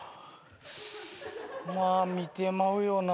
まあ見てまうよな。